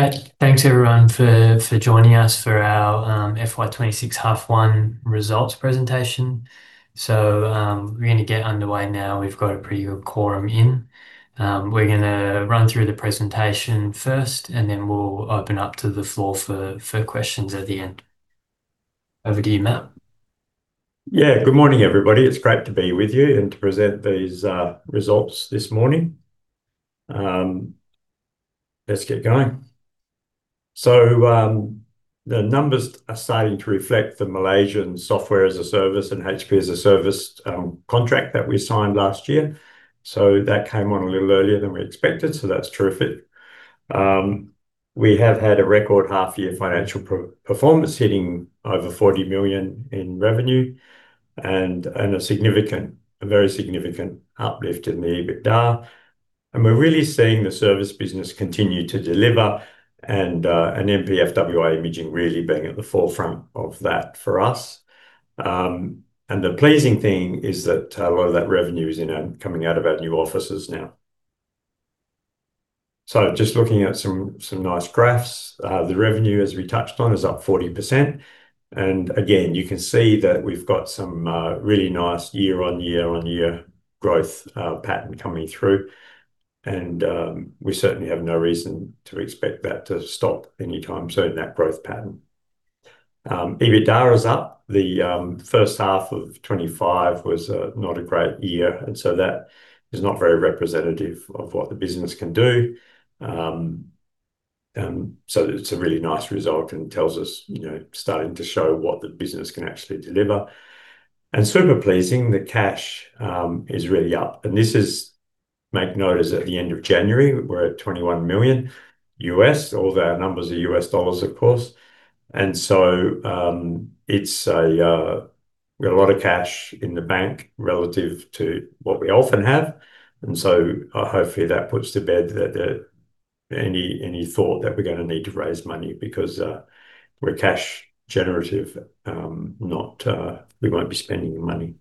All right. Thanks everyone for joining us for our FY2026 half one results presentation. We're going to get underway now. We've got a pretty good quorum in. We're gonna run through the presentation first. We'll open up to the floor for questions at the end. Over to you, Matt. Yeah. Good morning, everybody. It's great to be with you and to present these results this morning. Let's get going. The numbers are starting to reflect the Malaysian Software as a Service and HPC as a Service contract that we signed last year. That came on a little earlier than we expected, so that's terrific. We have had a record half-year financial performance, hitting over $40 million in revenue and a significant, a very significant uplift in the EBITDA. We're really seeing the service business continue to deliver and MP-FWI Imaging really being at the forefront of that for us. The pleasing thing is that a lot of that revenue is in coming out of our new offices now. Just looking at some nice graphs. The revenue, as we touched on, is up 40%. Again, you can see that we've got some really nice year-on-year-on-year growth pattern coming through. We certainly have no reason to expect that to stop anytime soon, that growth pattern. EBITDA is up. The first half of 2025 was not a great year. So that is not very representative of what the business can do. So it's a really nice result and tells us, you know, starting to show what the business can actually deliver. Super pleasing, the cash is really up, and this is, make note, is at the end of January, we're at $21 million. All our numbers are U.S. dollars, of course. It's a, we've got a lot of cash in the bank relative to what we often have, so hopefully that puts to bed that any thought that we're gonna need to raise money because we're cash generative, not we won't be spending money.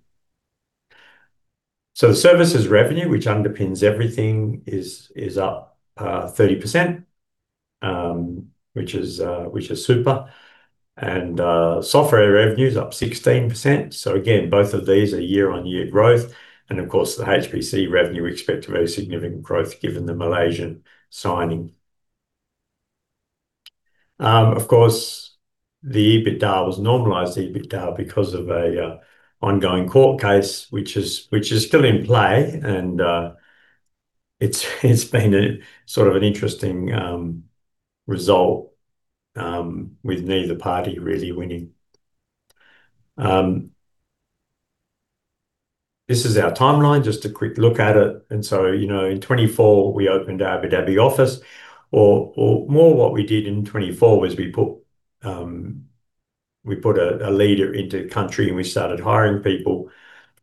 The services revenue, which underpins everything, is up 30%, which is super, and software revenue is up 16%. Again, both of these are year-on-year growth, and of course, the HPC revenue, we expect a very significant growth given the Malaysian signing. Of course, the EBITDA was normalized EBITDA because of a ongoing court case, which is still in play, and it's been a, sort of an interesting result, with neither party really winning. This is our timeline. Just a quick look at it. You know, in 2024, we opened Abu Dhabi office, or more what we did in 2024 was we put a leader into country, and we started hiring people.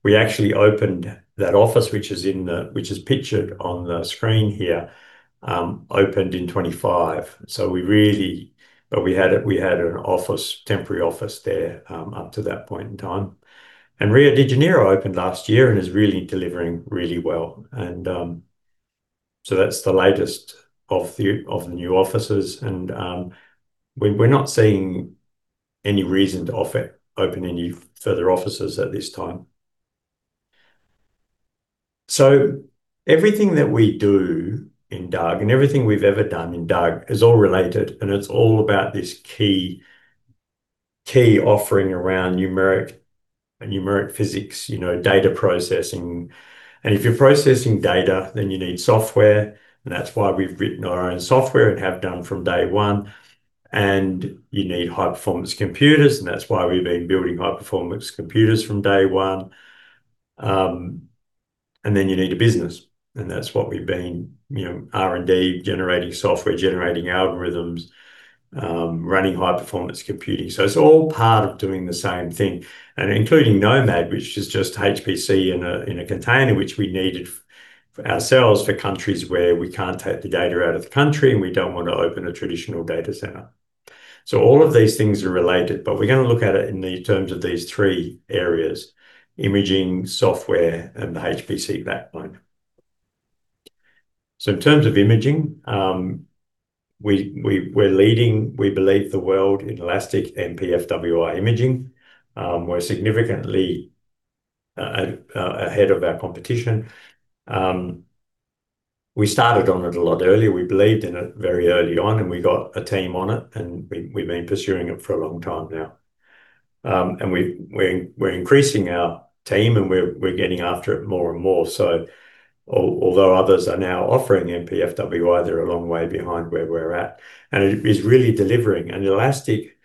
We actually opened that office, which is pictured on the screen here, opened in 2025. But we had an office, temporary office there, up to that point in time. Rio de Janeiro opened last year and is really delivering really well. That's the latest of the new offices, and we're not seeing any reason to open any further offices at this time. Everything that we do in DUG, and everything we've ever done in DUG, is all related, and it's all about this key offering around numeric physics, you know, data processing. If you're processing data, then you need software, and that's why we've written our own software and have done from day one. You need high-performance computers, and that's why we've been building high-performance computers from day one. Then you need a business, and that's what we've been, you know, R&D, generating software, generating algorithms, running high-performance computing. It's all part of doing the same thing, and including Nomad, which is just HPC in a container, which we needed ourselves, for countries where we can't take the data out of the country, and we don't want to open a traditional data center. All of these things are related, but we're gonna look at it in the terms of these three areas: imaging, software, and the HPC backbone. In terms of imaging, we're leading, we believe, the world in Elastic MP-FWI Imaging. We're significantly ahead of our competition. We started on it a lot earlier. We believed in it very early on, and we got a team on it, and we've been pursuing it for a long time now. And we're increasing our team, and we're getting after it more and more. Although others are now offering MP-FWI, they're a long way behind where we're at, and it is really delivering. Elastic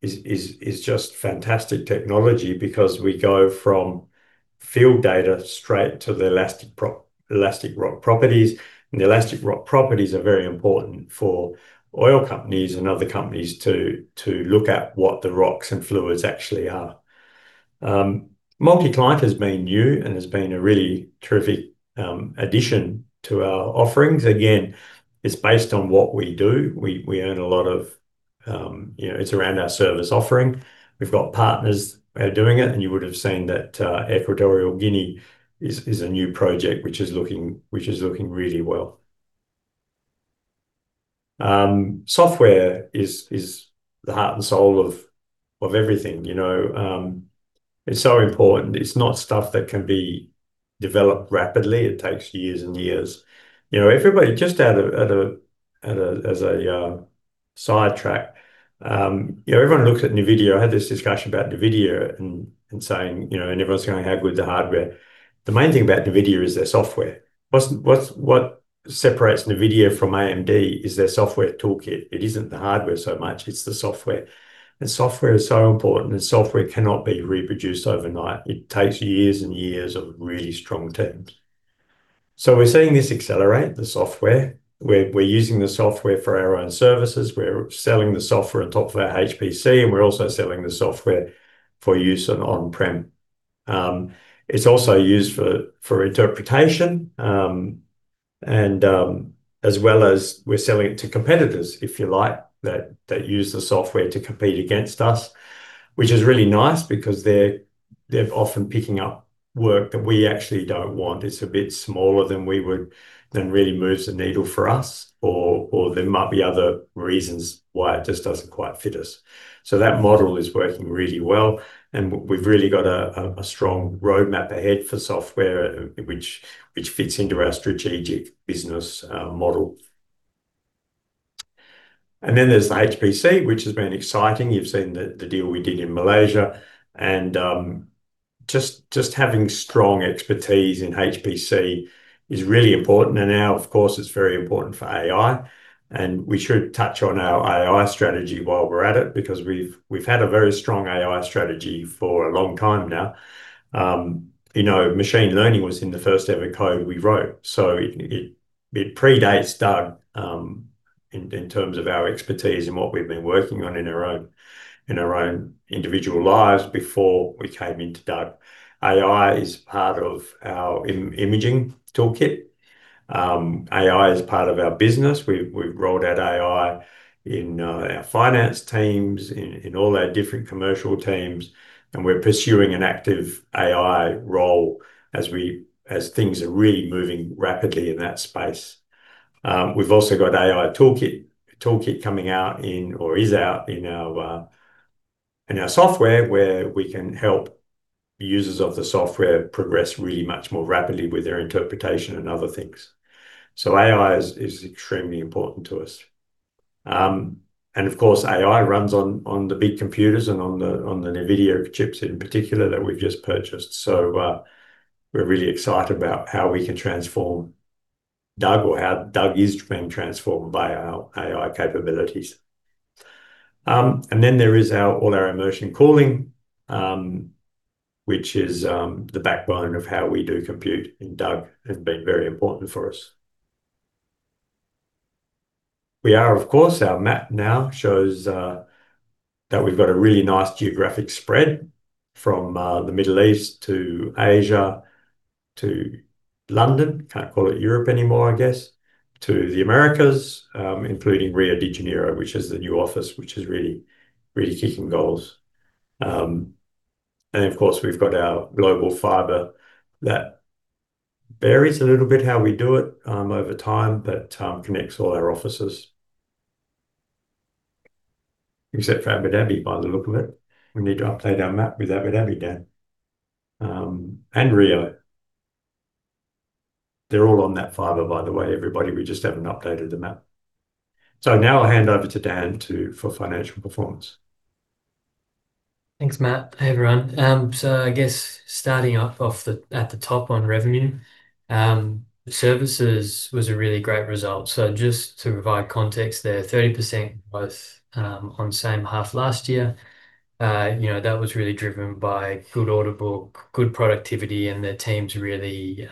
is just fantastic technology because we go from field data straight to the elastic rock properties, and the elastic rock properties are very important for oil companies and other companies to look at what the rocks and fluids actually are. Multi-client has been new and has been a really terrific addition to our offerings. Again, it's based on what we do. We own a lot of you know, it's around our service offering. We've got partners who are doing it, and you would have seen that Equatorial Guinea is a new project which is looking really well. Software is the heart and soul of everything, you know. It's so important. It's not stuff that can be developed rapidly, it takes years and years. You know, everybody, just as a sidetrack, you know, everyone looks at NVIDIA. I had this discussion about NVIDIA and saying, you know, and everyone's going, "How good is the hardware?" The main thing about NVIDIA is their software. What separates NVIDIA from AMD is their software toolkit. It isn't the hardware so much, it's the software. Software is so important, and software cannot be reproduced overnight. It takes years and years of really strong teams. We're seeing this accelerate, the software. We're using the software for our own services, we're selling the software on top of our HPC, and we're also selling the software for use on on-prem. It's also used for interpretation, and, as well as we're selling it to competitors, if you like, that use the software to compete against us, which is really nice because they're often picking up work that we actually don't want. It's a bit smaller than really moves the needle for us, or there might be other reasons why it just doesn't quite fit us. That model is working really well, and we've really got a strong roadmap ahead for software, which fits into our strategic business model. There's the HPC, which has been exciting. You've seen the deal we did in Malaysia, and just having strong expertise in HPC is really important. Now, of course, it's very important for AI. We should touch on our AI strategy while we're at it, because we've had a very strong AI strategy for a long time now. You know, machine learning was in the first ever code we wrote, so it predates DUG in terms of our expertise and what we've been working on in our own individual lives before we came into DUG. AI is part of our imaging toolkit. AI is part of our business. We've rolled out AI in our finance teams, in all our different commercial teams, and we're pursuing an active AI role as things are really moving rapidly in that space. We've also got AI toolkit, a toolkit coming out in, or is out in our software, where we can help users of the software progress really much more rapidly with their interpretation and other things. AI is extremely important to us. Of course, AI runs on the big computers and on the NVIDIA chips in particular that we've just purchased. We're really excited about how we can transform DUG or how DUG is being transformed by our AI capabilities. There is all our immersion cooling, which is the backbone of how we do compute, and DUG has been very important for us. We are, of course, our map now shows that we've got a really nice geographic spread from the Middle East to Asia, to London, can't call it Europe anymore, I guess, to the Americas, including Rio de Janeiro, which is the new office, which is really, really kicking goals. Of course, we've got our global fiber. That varies a little bit how we do it over time, but connects all our offices. Except for Abu Dhabi, by the look of it. We need to update our map with Abu Dhabi, Dan, and Rio. They're all on that fiber, by the way, everybody, we just haven't updated the map. Now I'll hand over to Dan for financial performance. Thanks, Matt. Hey, everyone. I guess starting off the, at the top on revenue, services was a really great result. Just to provide context there, 30% was on same half last year. You know, that was really driven by good utilization, good productivity, and the teams really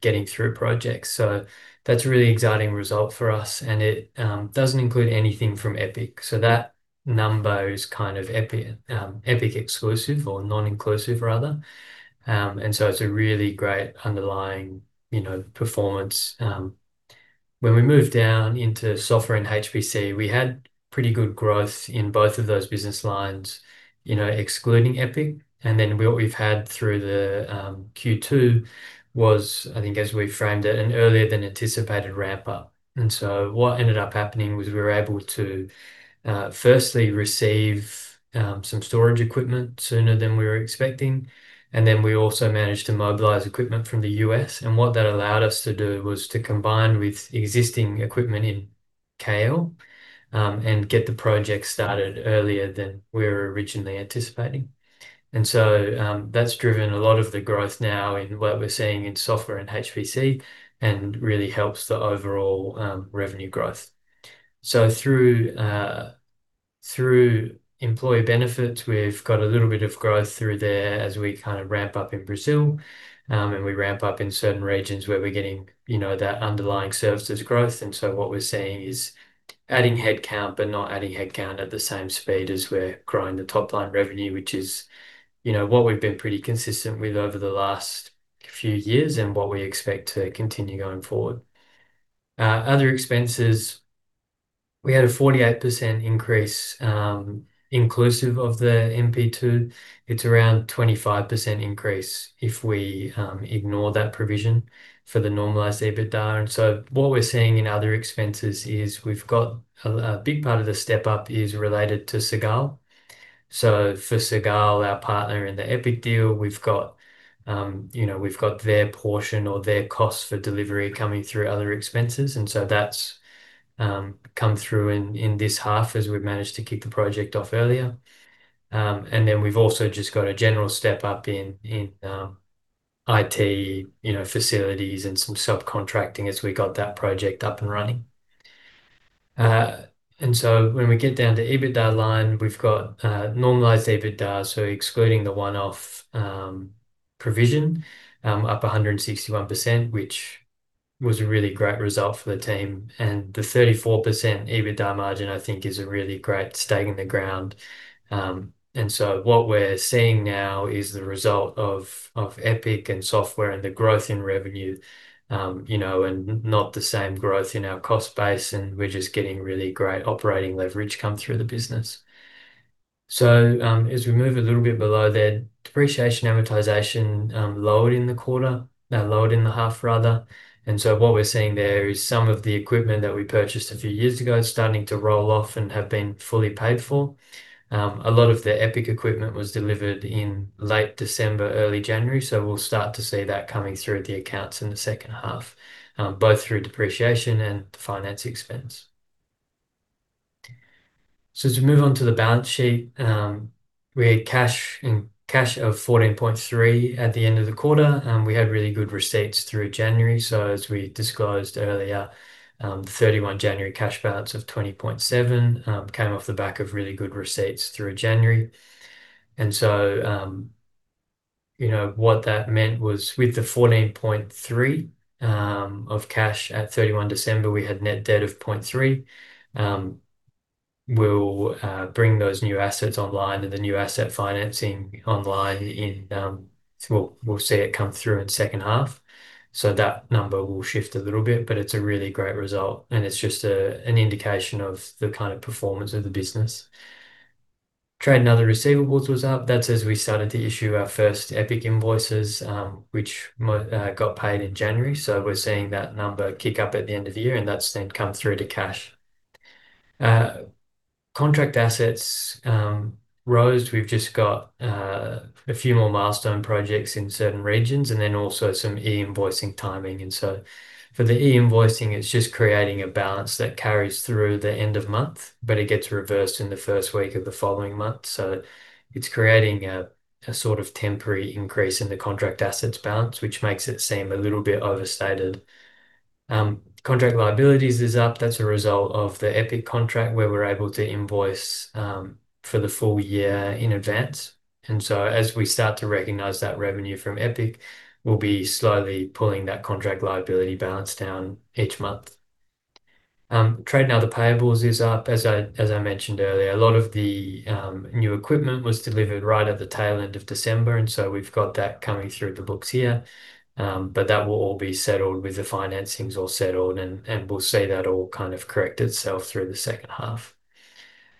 getting through projects. That's a really exciting result for us, and it doesn't include anything from EPIC. That number is kind of EPIC exclusive or non-inclusive, rather. It's a really great underlying, you know, performance. When we moved down into software and HPC, we had pretty good growth in both of those business lines, you know, excluding EPIC. What we've had through the Q2 was, I think as we framed it, an earlier than anticipated ramp-up. What ended up happening was we were able to firstly receive some storage equipment sooner than we were expecting, and then we also managed to mobilize equipment from the U.S. What that allowed us to do was to combine with existing equipment in KL and get the project started earlier than we were originally anticipating. That's driven a lot of the growth now in what we're seeing in software and HPC, and really helps the overall revenue growth. Through employee benefits, we've got a little bit of growth through there as we kind of ramp up in Brazil, and we ramp up in certain regions where we're getting, you know, that underlying services growth. What we're seeing is adding headcount, but not adding headcount at the same speed as we're growing the top-line revenue, which is, you know, what we've been pretty consistent with over the last few years and what we expect to continue going forward. Other expenses, we had a 48% increase, inclusive of the MP2. It's around 25% increase if we ignore that provision for the normalized EBITDA. What we're seeing in other expenses is we've got a big part of the step-up is related to Cegal. For Cegal, our partner in the EPIC deal, we've got, you know, their portion or their costs for delivery coming through other expenses, and so that's come through in this half as we've managed to kick the project off earlier. We've also just got a general step-up in IT, you know, facilities and some subcontracting as we got that project up and running. When we get down to EBITDA line, we've got normalized EBITDA, so excluding the one-off provision, up 161%, which was a really great result for the team. The 34% EBITDA margin, I think, is a really great stake in the ground. What we're seeing now is the result of EPIC and software and the growth in revenue, you know, and not the same growth in our cost base, and we're just getting really great operating leverage come through the business. As we move a little bit below there, depreciation amortization, lowered in the quarter, lowered in the half, rather. What we're seeing there is some of the equipment that we purchased a few years ago is starting to roll off and have been fully paid for. A lot of the EPIC equipment was delivered in late December, early January, so we'll start to see that coming through the accounts in the second half, both through depreciation and the finance expense. As we move on to the balance sheet, we had cash and cash of $14.3 at the end of the quarter, and we had really good receipts through January. As we disclosed earlier, the 31 January cash balance of $20.7 came off the back of really good receipts through January. You know, what that meant was with the $14.3 of cash at December 31, we had net debt of $0.3. We'll bring those new assets online and the new asset financing online in, we'll see it come through in second half, so that number will shift a little bit, but it's a really great result, and it's just an indication of the kind of performance of the business. Trade and other receivables was up. That's as we started to issue our first EPIC invoices, which got paid in January, so we're seeing that number kick up at the end of the year, and that's then come through to cash. Contract assets rose. We've just got a few more milestone projects in certain regions, and then also some e-invoicing timing. For the e-invoicing, it's just creating a balance that carries through the end of month, but it gets reversed in the first week of the following month. It's creating a sort of temporary increase in the contract assets balance, which makes it seem a little bit overstated. Contract liabilities is up. That's a result of the EPIC contract, where we're able to invoice for the full year in advance. As we start to recognize that revenue from EPIC, we'll be slowly pulling that contract liability balance down each month. Trade and other payables is up, as I mentioned earlier. A lot of the new equipment was delivered right at the tail end of December, and so we've got that coming through the books here. That will all be settled with the financings all settled, and we'll see that all kind of correct itself through the second half.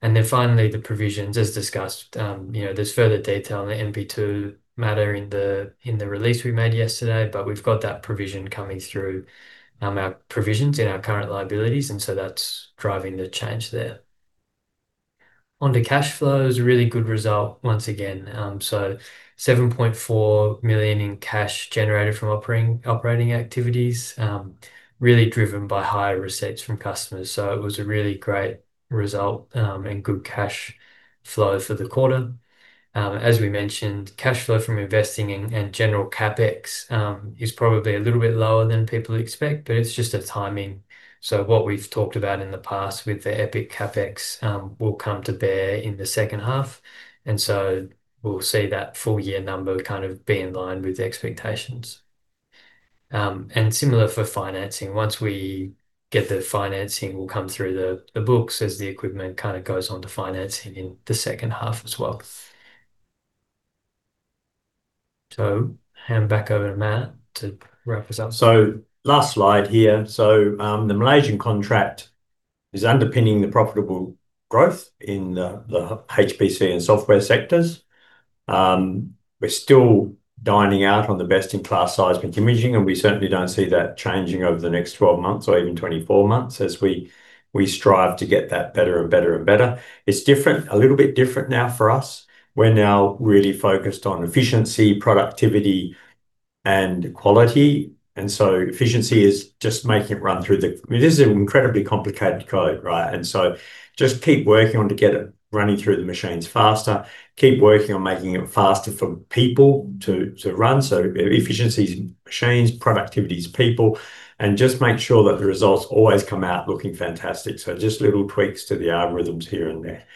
Then finally, the provisions, as discussed, you know, there's further detail on the MP2 matter in the, in the release we made yesterday, but we've got that provision coming through, our provisions in our current liabilities. So that's driving the change there. Onto cash flow, it was a really good result once again. $7.4 million in cash generated from operating activities, really driven by higher receipts from customers. It was a really great result, and good cash flow for the quarter. As we mentioned, cash flow from investing and general CapEx, is probably a little bit lower than people expect, but it's just a timing. What we've talked about in the past with the EPIC CapEx will come to bear in the second half. We'll see that full-year number kind of be in line with the expectations. Similar for financing. Once we get the financing, we'll come through the books as the equipment kind of goes on to financing in the second half as well. Hand back over to Matt to wrap this up. Last slide here. The Malaysian contract is underpinning the profitable growth in the HPC and software sectors. We're still dining out on the best-in-class seismic imaging, and we certainly don't see that changing over the next 12 months or even 24 months as we strive to get that better and better and better. It's different, a little bit different now for us. We're now really focused on efficiency, productivity, and quality, and so efficiency is just making it run through. It is an incredibly complicated code, right? Just keep working on to get it running through the machines faster, keep working on making it faster for people to run, so efficiency's machines, productivity's people, and just make sure that the results always come out looking fantastic. Just little tweaks to the algorithms here and there.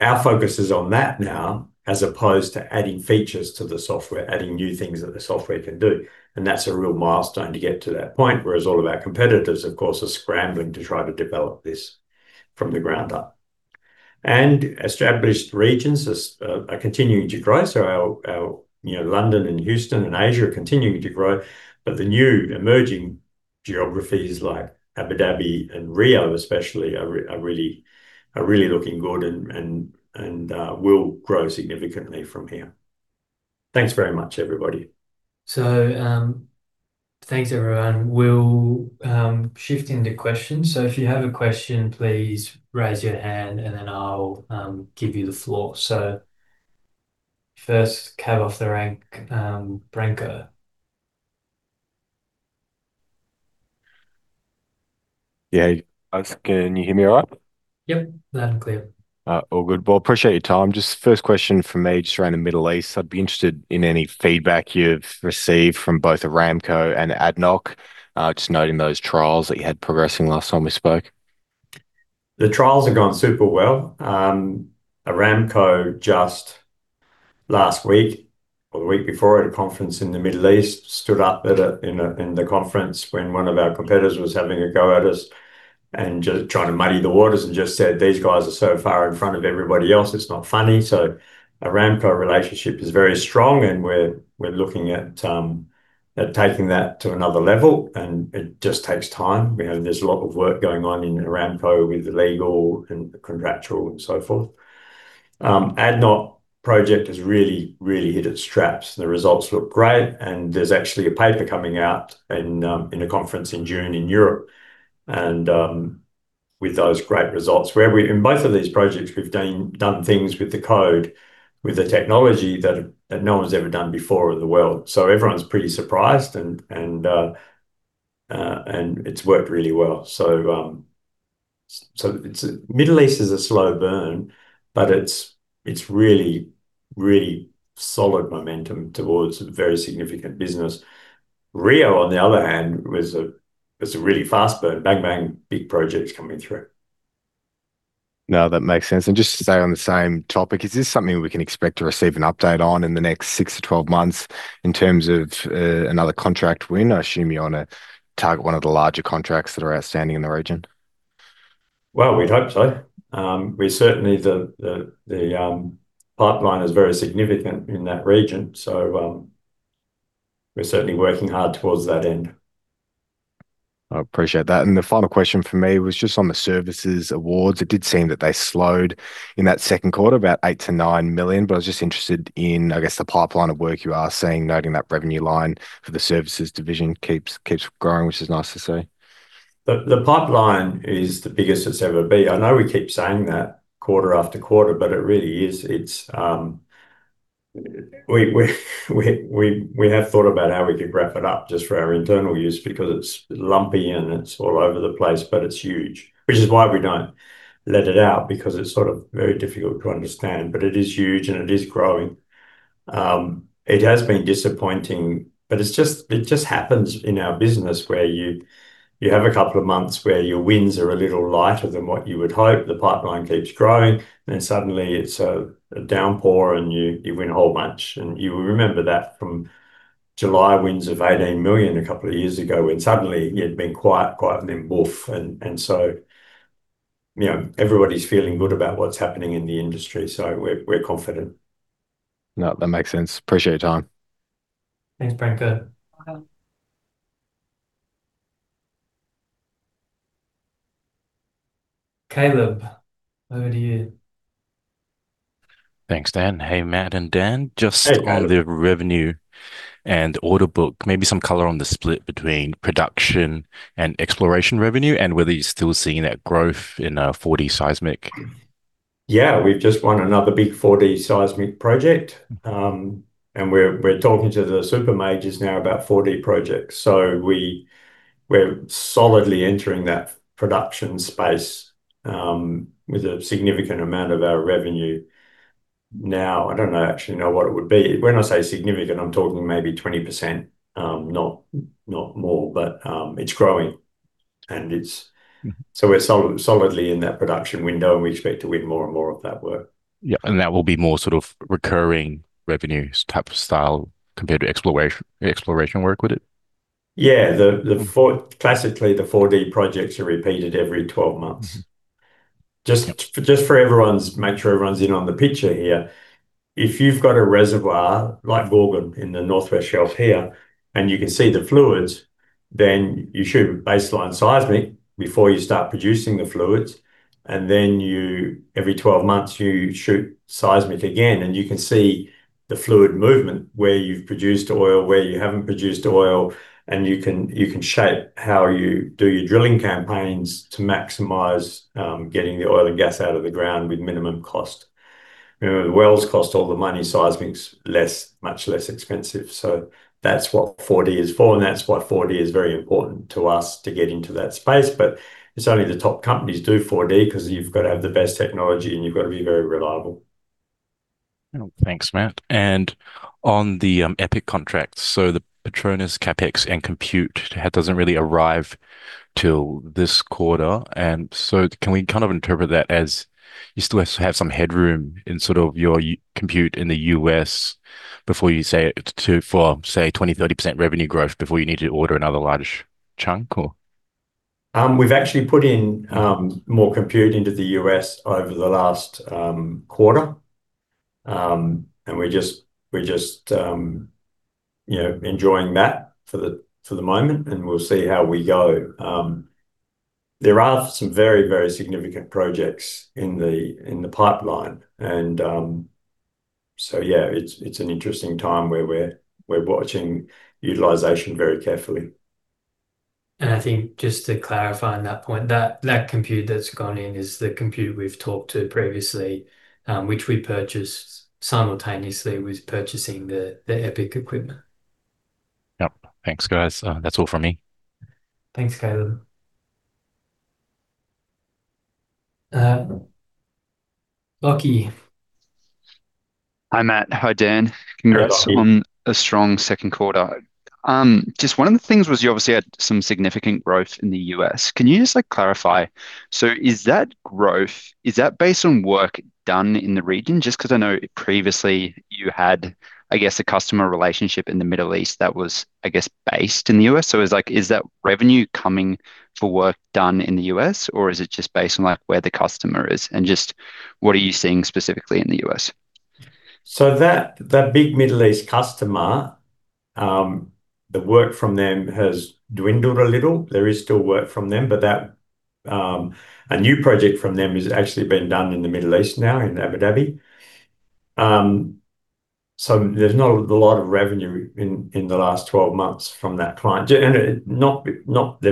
Our focus is on that now, as opposed to adding features to the software, adding new things that the software can do, and that's a real milestone to get to that point, whereas all of our competitors, of course, are scrambling to try to develop this from the ground up. Established regions are continuing to grow, so our, you know, London and Houston and Asia are continuing to grow. The new emerging geographies like Abu Dhabi and Rio especially, are really looking good and will grow significantly from here. Thanks very much, everybody. Thanks everyone. We'll shift into questions. If you have a question, please raise your hand, and then I'll give you the floor. First cab off the rank, Branko. Yeah, can you hear me all right? Yep, loud and clear. All good. Well, appreciate your time. Just first question from me, just around the Middle East. I'd be interested in any feedback you've received from both Aramco and ADNOC, just noting those trials that you had progressing last time we spoke. The trials have gone super well. Aramco just last week, or the week before, at a conference in the Middle East, stood up in the conference when one of our competitors was having a go at us and just trying to muddy the waters, and just said, "These guys are so far in front of everybody else, it's not funny." Aramco relationship is very strong, and we're looking at taking that to another level, and it just takes time. You know, there's a lot of work going on in Aramco with the legal and contractual and so forth. ADNOC project has really hit its straps, and the results look great, and there's actually a paper coming out in a conference in June in Europe. With those great results, in both of these projects, we've done things with the code, with the technology that no one's ever done before in the world. Everyone's pretty surprised, and it's worked really well. Middle East is a slow burn, but it's really, really solid momentum towards very significant business. Rio, on the other hand, was a really fast burn, bang, big projects coming through. No, that makes sense. Just to stay on the same topic, is this something we can expect to receive an update on in the next six to 12 months in terms of another contract win? I assume you're on a target one of the larger contracts that are outstanding in the region. Well, we'd hope so. We certainly the pipeline is very significant in that region, so, we're certainly working hard towards that end. I appreciate that. The final question from me was just on the services awards. It did seem that they slowed in that Q2, about $8 million-$9 million, but I was just interested in, I guess, the pipeline of work you are seeing, noting that revenue line for the services division keeps growing, which is nice to see. The pipeline is the biggest it's ever been. I know we keep saying that quarter after quarter, but it really is. It's, we have thought about how we could wrap it up just for our internal use because it's lumpy and it's all over the place, but it's huge. Which is why we don't let it out, because it's sort of very difficult to understand, but it is huge and it is growing. It has been disappointing, but it just happens in our business where you have a couple of months where your wins are a little lighter than what you would hope, the pipeline keeps growing, and then suddenly it's a downpour and you win a whole bunch. You will remember that from July wins of $18 million a couple of years ago, when suddenly you'd been quiet, and then woof. You know, everybody's feeling good about what's happening in the industry, so we're confident. No, that makes sense. Appreciate your time. Thanks, Branko. Caleb, over to you. Thanks, Dan. Hey, Matt and Dan. Hey, Caleb. Just on the revenue and order book, maybe some color on the split between production and exploration revenue, and whether you're still seeing that growth in 4D seismic? Yeah, we've just won another big 4D seismic project. We're talking to the super majors now about 4D projects. We're solidly entering that production space, with a significant amount of our revenue. Now, I don't actually know what it would be. When I say significant, I'm talking maybe 20%, not more, but it's growing and it's... We're solidly in that production window, and we expect to win more and more of that work. Yeah, that will be more sort of recurring revenues type of style compared to exploration work, would it? Yeah, the classically, the 4D projects are repeated every 12 months. Make sure everyone's in on the picture here. If you've got a reservoir, like Bongkot in the North West Shelf here, and you can see the fluids, then you shoot a baseline seismic before you start producing the fluids, and then every 12 months, you shoot seismic again, and you can see the fluid movement where you've produced oil, where you haven't produced oil, and you can shape how you do your drilling campaigns to maximize getting the oil and gas out of the ground with minimum cost. You know, the wells cost all the money, seismic's less, much less expensive. That's what 4D is for, and that's why 4D is very important to us to get into that space, but it's only the top companies do 4D because you've got to have the best technology, and you've got to be very reliable. Thanks, Matt. On the EPIC contracts, the PETRONAS, CapEx, and Compute, that doesn't really arrive till this quarter, can we kind of interpret that as you still have some headroom in sort of your compute in the U.S. before you say to, for, say, 20%, 30% revenue growth before you need to order another large? chunk or? We've actually put in more compute into the U.S. over the last quarter. We're just, you know, enjoying that for the moment, and we'll see how we go. There are some very, very significant projects in the pipeline, and so yeah, it's an interesting time where we're watching utilization very carefully. I think just to clarify on that point, that compute that's gone in is the compute we've talked to previously, which we purchased simultaneously with purchasing the EPIC equipment. Yep. Thanks, guys. That's all from me. Thanks, Caleb. Lucky. Hi, Matt. Hi, Dan. Hi, Lucky. Congrats on a strong Q2. Just one of the things was you obviously had some significant growth in the U.S. Can you just, like, clarify? Is that growth, is that based on work done in the region? Just 'cause I know previously you had, I guess, a customer relationship in the Middle East that was, I guess, based in the U.S. It's like, is that revenue coming for work done in the U.S., or is it just based on, like, where the customer is? Just what are you seeing specifically in the U.S.? That big Middle East customer, the work from them has dwindled a little. There is still work from them, but a new project from them is actually being done in the Middle East now, in Abu Dhabi. There's not a lot of revenue in the last 12 months from that client. They're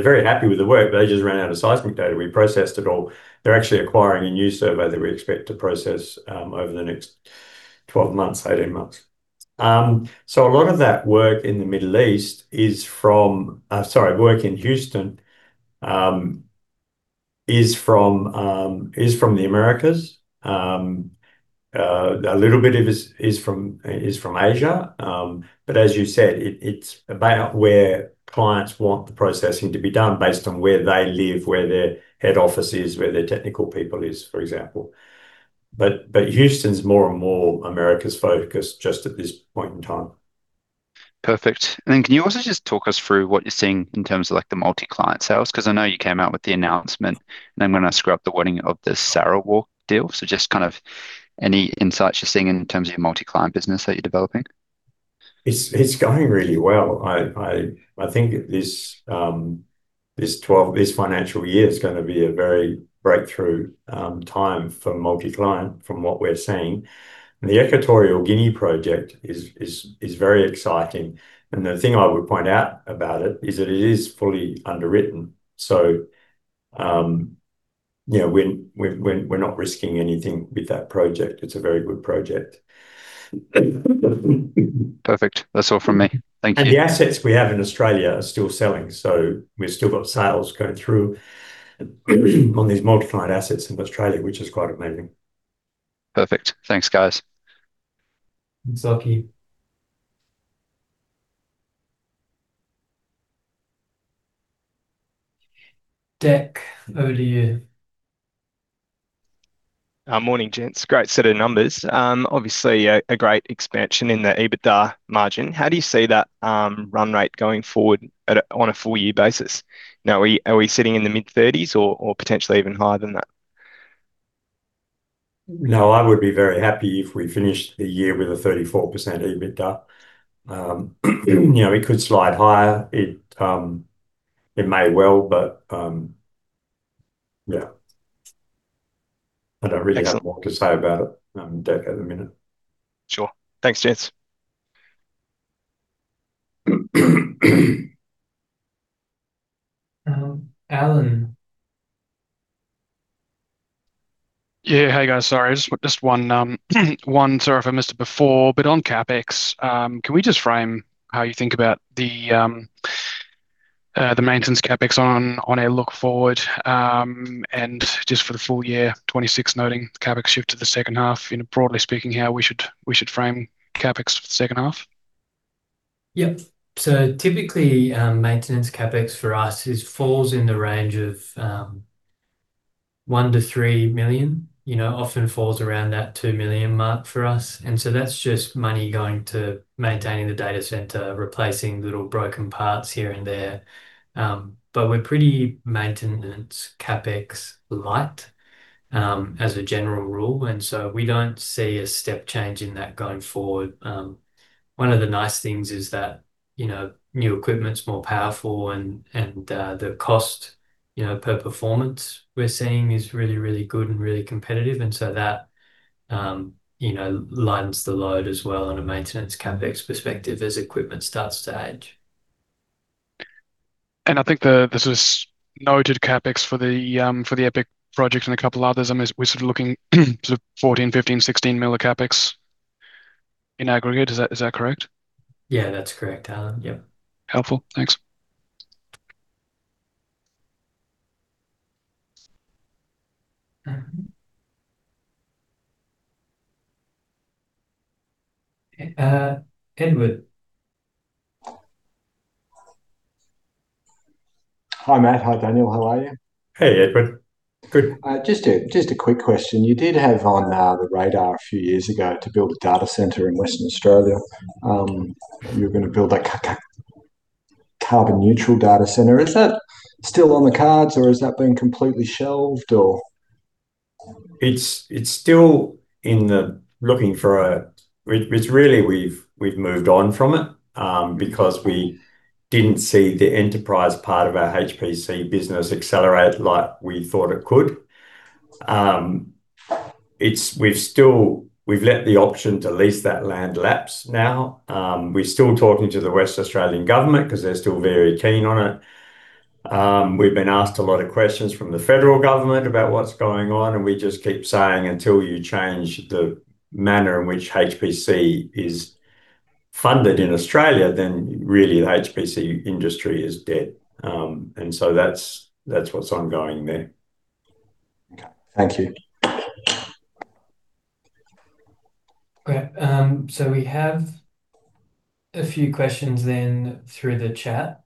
very happy with the work, but they just ran out of seismic data. We processed it all. They're actually acquiring a new survey that we expect to process over the next 12 months, 18 months. A lot of that work in the Middle East is from, sorry, work in Houston, is from the Americas. A little bit of it is from Asia. As you said, it's about where clients want the processing to be done based on where they live, where their head office is, where their technical people is, for example. Houston's more and more America's focus just at this point in time. Perfect. Then, can you also just talk us through what you're seeing in terms of, like, the multi-client sales? 'Cause I know you came out with the announcement, and I'm gonna screw up the wording of this Sarawak deal. Just kind of any insights you're seeing in terms of your multi-client business that you're developing. It's going really well. I think this financial year is going to be a very breakthrough time for multi-client, from what we're seeing. The Equatorial Guinea project is very exciting, and the thing I would point out about it is that it is fully underwritten. You know, we're not risking anything with that project. It's a very good project. Perfect. That's all from me. Thank you. The assets we have in Australia are still selling, so we've still got sales going through, on these multi-client assets in Australia, which is quite amazing. Perfect. Thanks, guys. Thanks, Lucky. Dec, over to you. Morning, gents. Great set of numbers. Obviously, a great expansion in the EBITDA margin. How do you see that run rate going forward on a full year basis? Now, are we sitting in the mid-thirties or potentially even higher than that? I would be very happy if we finished the year with a 34% EBITDA. you know, it could slide higher. It may well. Excellent have more to say about it, Dec, at the minute. Sure. Thanks, gents. Alan. Yeah. Hey, guys, sorry. Just one. Sorry if I missed it before, but on CapEx, can we just frame how you think about the maintenance CapEx on our look forward, and just for the full year 2026, noting the CapEx shift to the second half, you know, broadly speaking, how we should frame CapEx for the second half? Typically, maintenance CapEx for us is falls in the range of $1 million-$3 million. You know, often falls around that $2 million mark for us, that's just money going to maintaining the data center, replacing little broken parts here and there. We're pretty maintenance CapEx light, as a general rule, we don't see a step change in that going forward. One of the nice things is that, you know, new equipment's more powerful and the cost, you know, per performance we're seeing is really, really good and really competitive, that, you know, lightens the load as well on a maintenance CapEx perspective as equipment starts to age. I think the, this was noted CapEx for the for the EPIC projects and a couple of others, I mean, we're sort of looking, sort of $14 million, $15 million, $16 million of CapEx in aggregate. Is that correct? Yeah, that's correct, Alan. Yep. Helpful. Thanks. Edward. Hi, Matt. Hi, Daniel. How are you? Hey, Edward. Good. Just a quick question. You did have on the radar a few years ago to build a data center in Western Australia. You were going to build a carbon neutral data center. Is that still on the cards, or has that been completely shelved, or? It's really we've moved on from it because we didn't see the enterprise part of our HPC business accelerate like we thought it could. We've let the option to lease that land lapse now. We're still talking to the West Australian Government 'cause they're still very keen on it. We've been asked a lot of questions from the federal government about what's going on, and we just keep saying, until you change the manner in which HPC is funded in Australia, then really the HPC industry is dead. That's what's ongoing there. Okay. Thank you. Great. We have a few questions through the chat.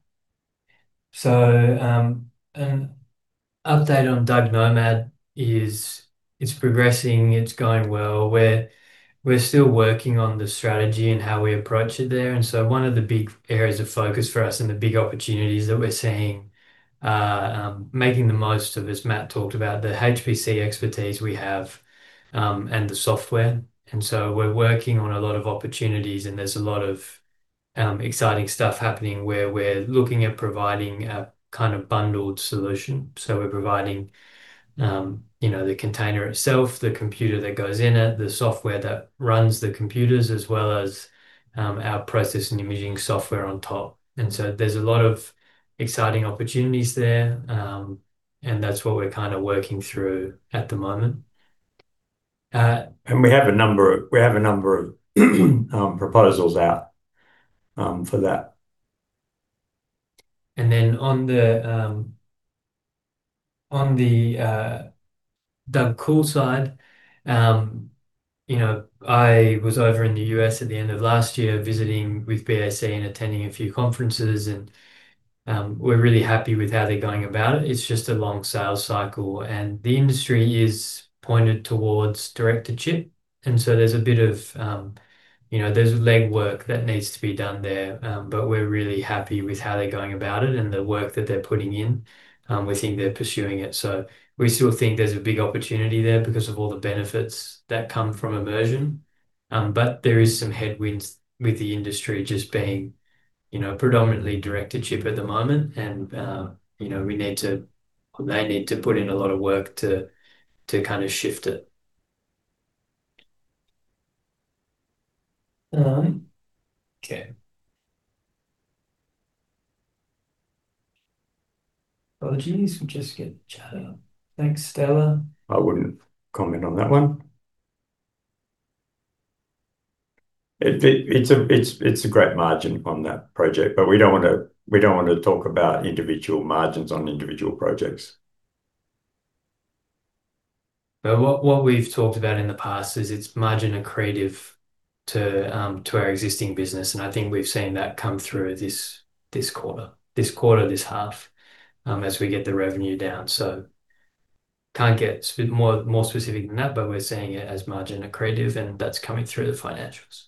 An update on DUG Nomad is it's progressing, it's going well. We're still working on the strategy and how we approach it there, one of the big areas of focus for us and the big opportunities that we're seeing, making the most of, as Matt talked about, the HPC expertise we have and the software. We're working on a lot of opportunities, and there's a lot of exciting stuff happening where we're looking at providing a kind of bundled solution. We're providing, you know, the container itself, the computer that goes in it, the software that runs the computers, as well as our process and imaging software on top. There's a lot of exciting opportunities there, and that's what we're kind of working through at the moment. We have a number of proposals out for that. On the DUG Cool side, you know, I was over in the U.S. at the end of last year, visiting with BAC and attending a few conferences, and we're really happy with how they're going about it. It's just a long sales cycle, and the industry is pointed towards direct-to-chip, and so there's a bit of, you know, there's legwork that needs to be done there. But we're really happy with how they're going about it and the work that they're putting in, we think they're pursuing it. We still think there's a big opportunity there because of all the benefits that come from immersion, but there is some headwinds with the industry just being, you know, predominantly direct-to-chip at the moment, and, you know, we need to... They need to put in a lot of work to kind of shift it. Okay. Apologies, we just get chat up. Thanks, Stella. I wouldn't comment on that one. It's a great margin on that project. We don't want to talk about individual margins on individual projects. What we've talked about in the past is its margin accretive to our existing business, and I think we've seen that come through this quarter, this half, as we get the revenue down. Can't get more specific than that, but we're seeing it as margin accretive, and that's coming through the financials.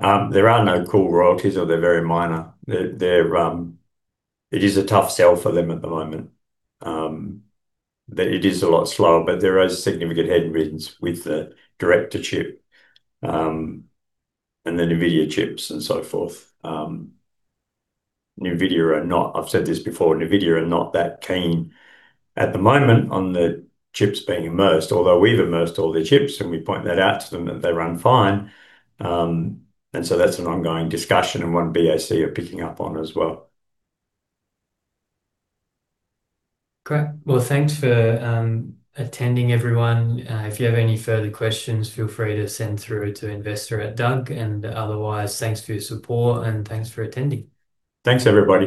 There are no DUG Cool royalties, or they're very minor. It is a tough sell for them at the moment. It is a lot slower, but there is significant headwinds with the direct-to-chip, and the NVIDIA chips and so forth. NVIDIA are not, I've said this before, NVIDIA are not that keen at the moment on the chips being immersed, although we've immersed all their chips, and we point that out to them, that they run fine. That's an ongoing discussion and one BAC are picking up on as well. Great. Well, thanks for attending, everyone. If you have any further questions, feel free to send through to investor@DUG. Otherwise, thanks for your support and thanks for attending. Thanks, everybody.